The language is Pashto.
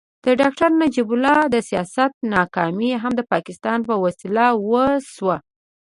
د ډاکټر نجیب الله د سیاست ناکامي هم د پاکستان په وسیله وشوه.